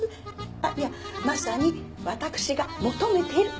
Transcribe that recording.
あっいやまさに私が求めてる味です。